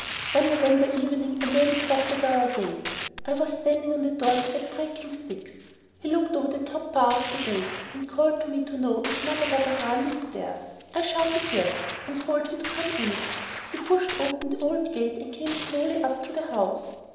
One November evening a man stopped at our gate. I was standing on the doorstep breaking sticks. He looked over the top bar of the gate and called to me to know if Mother Barberin lived there. I shouted yes and told him to come in. He pushed open the old gate and came slowly up to the house.